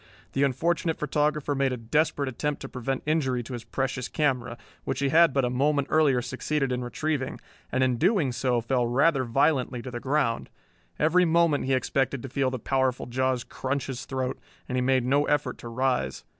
The unfortunate photographer made a desperate attempt to prevent injury to his precious camera, which he had but a moment earlier succeeded in retrieving, and in doing so fell rather violently to the ground. Every moment he expected to feel the powerful jaws crunch his throat, and he made no effort to rise.